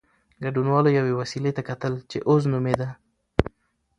ګډونوالو یوې وسيلې ته کتل چې "اوز" نومېده.